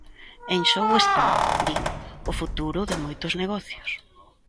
En xogo está, din, o futuro de moitos negocios.